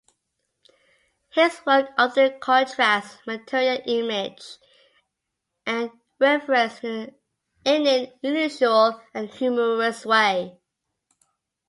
His work often contrasts material, image and reference in an unusual and humorous way.